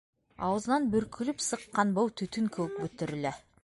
Ауыҙынан бөркөлөп сыҡҡан быу төтөн кеүек бөтөрөлә.